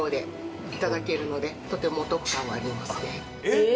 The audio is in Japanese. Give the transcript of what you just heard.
えっ！